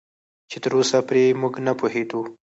چې تراوسه پرې موږ نه پوهېدو